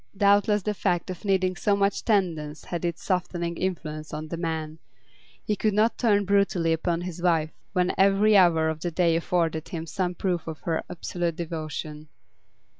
Doubtless the fact of needing so much tendance had its softening influence on the man; he could not turn brutally upon his wife when every hour of the day afforded him some proof of her absolute devotion.